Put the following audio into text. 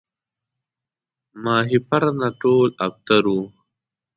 ماهیپر نه ټول ابتر وو